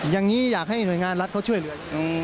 อย่างนี้อยากให้หน่วยงานรัฐเขาช่วยเหลือ